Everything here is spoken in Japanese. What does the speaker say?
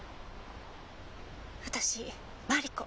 私マリコ。